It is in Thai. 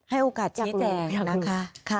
ให้โอกาสชี้แจงนะคะ